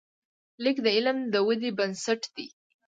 لیک د علم د ودې بنسټ دی.